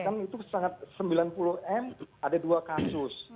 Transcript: kan itu sangat sembilan puluh m ada dua kasus